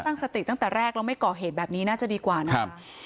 ตั้งสติตั้งแต่แรกแล้วไม่ก่อเหตุแบบนี้น่าจะดีกว่านะคะ